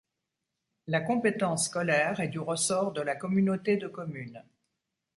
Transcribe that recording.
La compétence scolaire est du ressort de la communauté de communes.